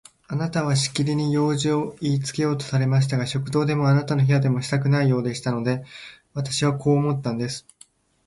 あなたはしきりに用事をいいつけようとされましたが、食堂でもあなたの部屋でもしたくないようでしたので、私はこう思ったんです。